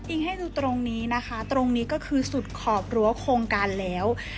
ให้ดูตรงนี้นะคะตรงนี้ก็คือสุดขอบรั้วโครงการแล้ว